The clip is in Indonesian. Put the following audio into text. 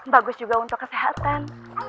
bagus juga untuk kesehatan